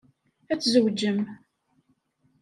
Ad tzewjem.